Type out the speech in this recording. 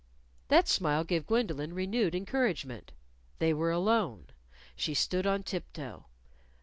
That smile gave Gwendolyn renewed encouragement. They were alone. She stood on tiptoe.